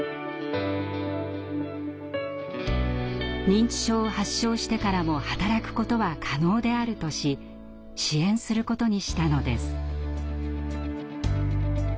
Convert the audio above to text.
認知症を発症してからも働くことは可能であるとし支援することにしたのです。